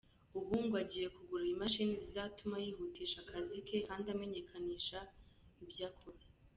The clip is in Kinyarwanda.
Ubu ngo agiye kugura imashini zizatuma yihutisha akazi ke kandi amenyekanishe ibyo akora.